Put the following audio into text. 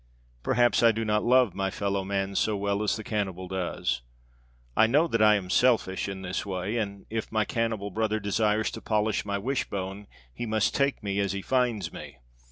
Perhaps I do not love my fellow man so well as the cannibal does. I know that I am selfish in this way, and if my cannibal brother desires to polish my wishbone he must take me as he finds me.